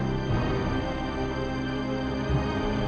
ibu mbak berhenti